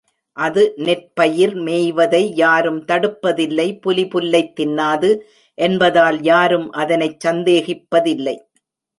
அது நெற்பயிர் மேய்வதை யாரும் தடுப்பதில்லை புலி புல்லைத் தின்னாது என்பதால் யாரும் அதனைச் சந்தேகிப்பதில்லை.